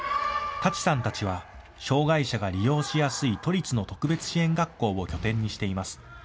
多智さんたちは障害者が利用しやすい都立の特別支援学校を拠点にしています。